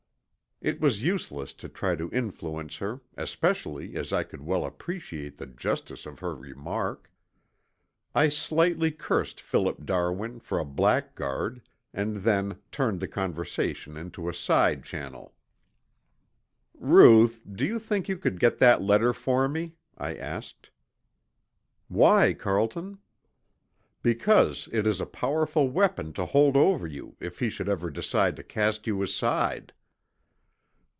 It was useless to try to influence her, especially as I could well appreciate the justice of her remark. I slightly cursed Philip Darwin for a blackguard, and then turned the conversation into a side channel. "Ruth, do you think you could get that letter for me?" I asked. "Why, Carlton?" "Because it is a powerful weapon to hold over you if he should ever decide to cast you aside."